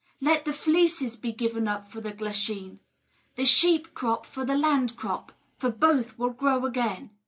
Let the fleeces be given up for the glasheen the sheep crop for the land crop for both will grow again!"